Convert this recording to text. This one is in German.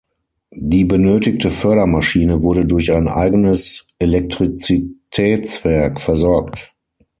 Die benötigte Fördermaschine wurde durch ein eigenes Elektrizitätswerk versorgt.